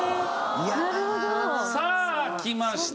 さあ来ました。